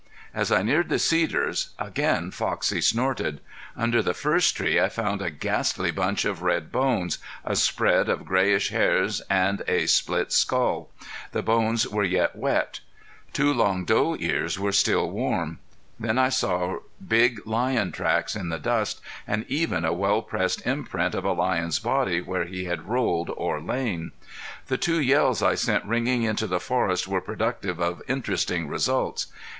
As I neared the cedars again Foxie snorted. Under the first tree I found a ghastly bunch of red bones, a spread of grayish hairs and a split skull. The bones, were yet wet; two long doe ears were still warm. Then I saw big lion tracks in the dust and even a well pressed imprint of a lion's body where he had rolled or lain. The two yells I sent ringing into the forest were productive of interesting results.